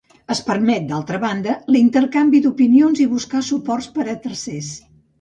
Es permet, d'altra banda, l'intercanvi d'opinions i buscar suports per a tercers.